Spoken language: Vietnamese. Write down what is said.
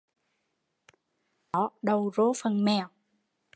Cơm hớt phần chó, đầu rô phần mèo